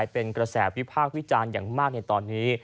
เป็นกระแสวิพากษ์วิจารณ์อย่างมากในตอนนี้